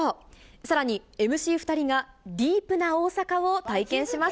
さらにＭＣ２人がディープな大阪を体験します。